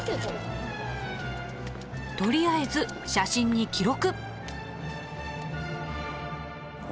とりあえず写真に記録。